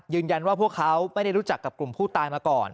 พวกเขาไม่ได้รู้จักกับกลุ่มผู้ตายมาก่อน